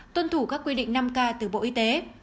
tuân thủ các quy định năm k từ bộ y tế